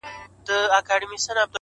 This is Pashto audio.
• ډيره ژړا لـــږ خـــنــــــــــدا؛